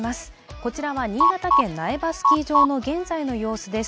こちらは新潟県苗場スキー場の現在の様子です。